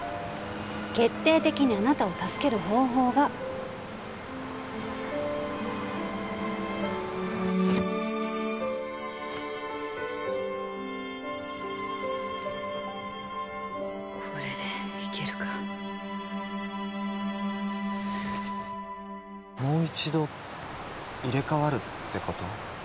決定的にあなたを助ける方法がこれでいけるかもう一度入れ替わるってこと？